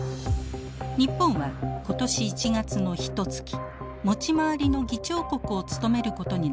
日本は今年１月のひとつき持ち回りの議長国を務めることになりました。